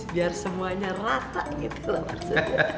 biar semuanya rata gitu loh maksudnya